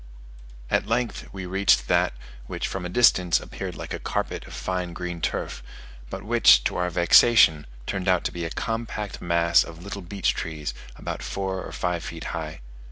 At length we reached that which from a distance appeared like a carpet of fine green turf, but which, to our vexation, turned out to be a compact mass of little beech trees about four or five feet high.